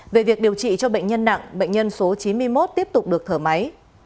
về việc điều trị cho bệnh nhân nặng bệnh nhân số chín mươi một tiếp tục được thở máy